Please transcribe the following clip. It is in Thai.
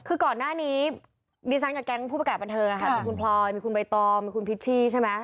คือก่อนหน้านี้ดิสัยกับแกงผู้บังกันบันเทอมมีคุณพลอยมีคุณใบตอมมีคุณพิฏชี่ใช่มั้ย